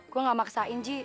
gue gak maksain ji